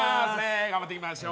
頑張っていきましょう。